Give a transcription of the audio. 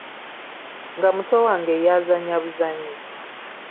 Nga muto wange ye azannya buzannyi?